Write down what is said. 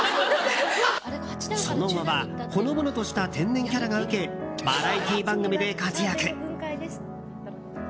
その後はほのぼのとしたキャラが受けバラエティー番組で活躍。